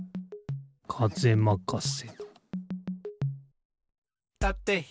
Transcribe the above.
かぜまかせ。